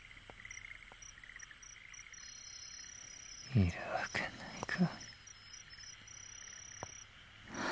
いるわけないか。